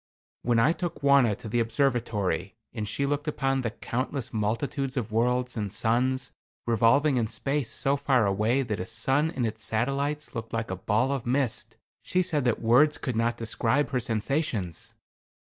When I took Wauna to the observatory, and she looked upon the countless multitudes of worlds and suns revolving in space so far away that a sun and its satellites looked like a ball of mist, she said that words could not describe her sensations.